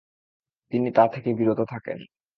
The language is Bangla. তিনি তা থেকে বিরত থাকেন।